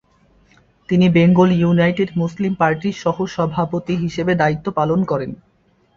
তিনি Bengal United Muslim পার্টির সহ-সভাপতি হিসেবে দায়িত্ব পালন করেন।